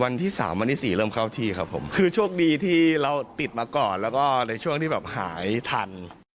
วันที่สามวันที่สี่เริ่มเข้าที่ครับผมคือโชคดีที่เราติดมาก่อนแล้วก็ในช่วงที่แบบหายทัน